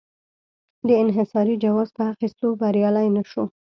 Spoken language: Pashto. د انحصاري جواز په اخیستو بریالی نه شو.